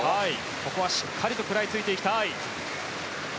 ここはしっかりと食らいついていきたい。